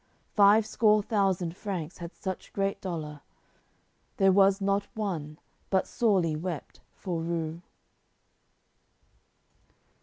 Five score thousand Franks had such great dolour There was not one but sorely wept for rue.